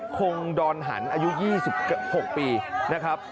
คงดอนหันอายุ๒๖ปีนะครับ